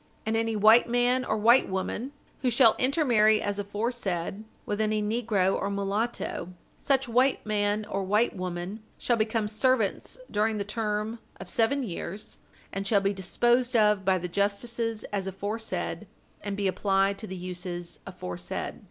And any white man or white woman who shall intermarry as aforesaid with any negro or mulatto, such white man or white woman shall become servants during the term of seven years, and shall be disposed of by the justices as aforesaid, and be applied to the uses aforesaid."